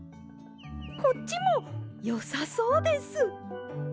こっちもよさそうです！